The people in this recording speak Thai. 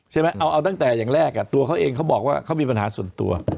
ใช่ไหมเอาตั้งแต่อย่างแรกตัวเขาเองเขาบอกว่าเขามีปัญหาส่วนตัว